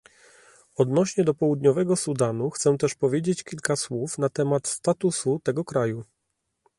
Odnośnie do Południowego Sudanu, chcę też powiedzieć kilka słów na temat statusu tego kraju